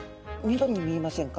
緑に見えませんか？